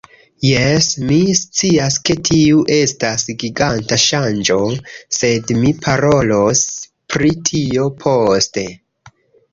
Jes, mi scias ke tiu estas giganta ŝanĝo sed mi parolos pri tio poste